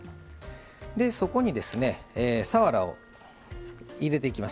そこにですねさわらを入れていきます。